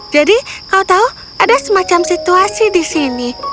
jadi kau tahu ada semacam situasi di sini